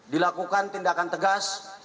dilakukan tindakan tegas